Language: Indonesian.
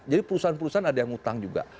jadi perusahaan perusahaan ada yang utang juga